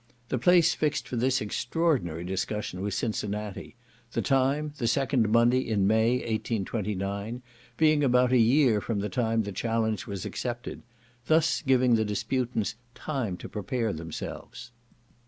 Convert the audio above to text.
The place fixed for this extraordinary discussion was Cincinnati; the time, the second Monday in May, 1829, being about a year from the time the challenge was accepted; thus giving the disputants time to prepare themselves.